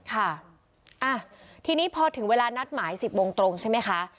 ค่ะทีนี้พอถึงเวลานัดหมาย๑๐โมงตรงใช่ไหมคะ